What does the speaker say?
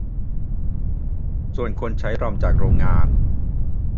ส่วนคนใช้รอมจากโรงงาน